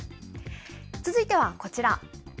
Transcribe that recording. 続いてはこちら。